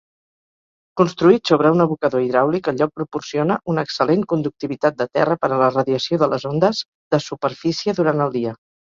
Construït sobre un abocador hidràulic, el lloc proporciona una excel·lent conductivitat de terra per a la radiació de les ondes de superfície durant el dia.